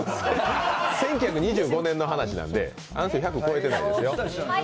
１９２５年の話なので、あの人、１００超えてないですよ。